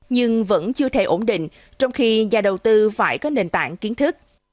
nhưng vẫn chưa thể ổn định trong khi nhà đầu tư phải có nền tảng kiến thức